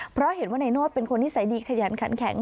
เพราะเห็นว่านายโนธเป็นคนนิสัยดีขยันขันแข็ง